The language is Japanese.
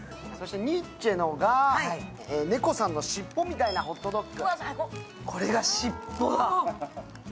ニッチェのがねこさんのしっぽみたいなホットドッグ。